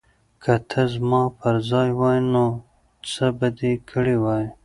که ته زما پر ځای وای نو څه به دې کړي وای؟